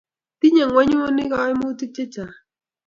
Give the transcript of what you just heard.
tinyei ng'wenyuni kaimutik chechang